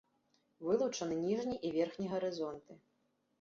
Вылучаны ніжні і верхні гарызонты.